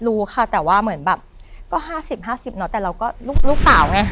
รู้ค่ะแต่ว่าเหมือนแบบก็ห้าสิบห้าสิบเนอะแต่เราก็ลูกลูกสาวไง